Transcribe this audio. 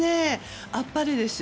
あっぱれです。